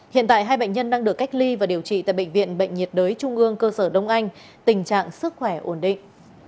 hiện tại hai bệnh nhân đang được cách ly và điều trị tại bệnh viện bệnh nhiệt đới trung ương cơ sở đông anh tình trạng sức khỏe ổn định